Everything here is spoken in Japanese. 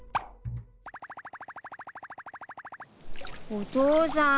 お父さん。